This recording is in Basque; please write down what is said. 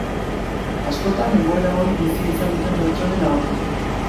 Askotan, egoera hori bizi izan duten pertsonen ahotik.